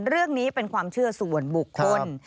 เรื่องนี้เป็นความเชื่อส่วนบุคคล